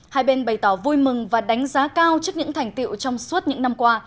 hai bên bày tỏ vui mừng và đánh giá cao trước những thành tiệu trong suốt những năm qua